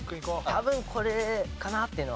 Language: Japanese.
多分これかなっていうのは。